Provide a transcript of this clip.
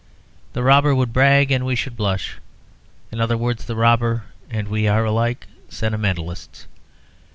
The robber would brag, and we should blush; in other words, the robber and we are alike sentimentalists.